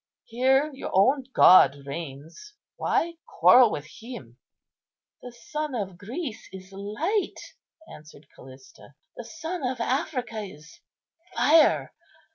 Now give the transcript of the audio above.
Here your own god reigns; why quarrel with him?" "The sun of Greece is light," answered Callista; "the sun of Africa is fire.